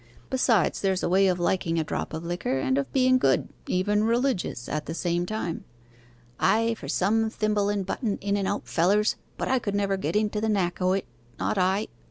'Besides, there's a way of liking a drop of liquor, and of being good even religious at the same time.' 'Ay, for some thimble and button in an out fellers; but I could never get into the knack o' it; not I.